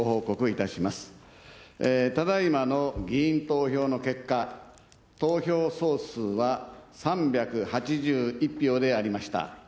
ただ今の議員投票の結果、投票総数は３８１票でありました。